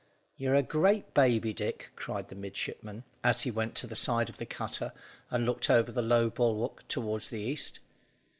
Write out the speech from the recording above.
"You're a great baby, Dick," cried the midshipman, as he went to the side of the cutter and looked over the low bulwark toward the east.